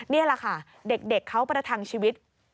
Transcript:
นี่แหละค่ะเด็กเขาประทังชีวิต